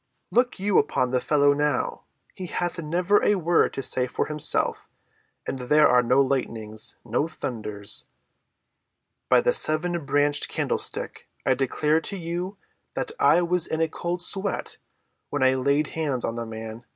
"Look you upon the fellow now, he hath never a word to say for himself, and there are no lightnings—no thunders. By the seven‐branched candlestick, I declare to you that I was in a cold sweat when I laid hands on the man.